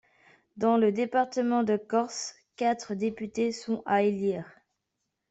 Dans le département de Corse, quatre députés sont à élire.